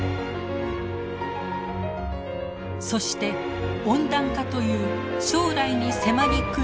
そして温暖化という将来に迫りくる危機。